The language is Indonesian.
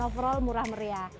overall murah meriah